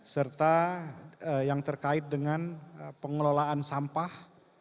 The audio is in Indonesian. serta yang terkait dengan pengelolaan sampah